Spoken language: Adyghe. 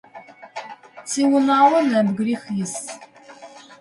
Тиунагъо нэбгырих ис.